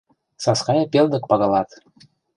Саскай пелдык пагалат.